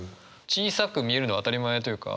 小さく見えるのは当たり前というか。